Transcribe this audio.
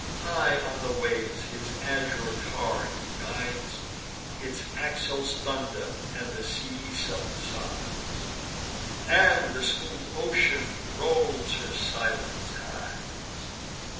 High on the waves his azure car he guides; Its axles thunder, and the sea subsides, And the smooth ocean rolls her silent tides.